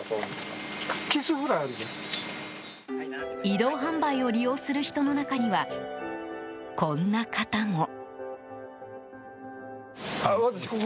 移動販売を利用する人の中にはこんな方も。